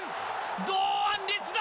堂安律だ。